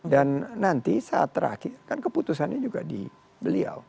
dan nanti saat terakhir kan keputusannya juga di beliau